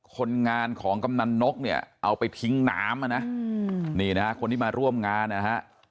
คนงานของกำนันนกเนี่ยเอาไปทิ้งน้ำอ่ะนะนี่นะฮะคนที่มาร่วมงานนะฮะ